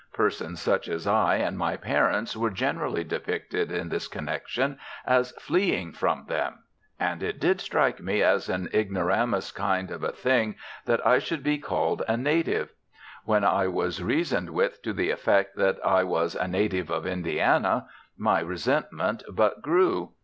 Persons such as I and my parents were generally depicted in this connection as fleeing from them. And it did strike me as an ignoramus kind of thing that I should be called a native. When I was reasoned with to the effect that I was a native of Indiana, my resentment but grew.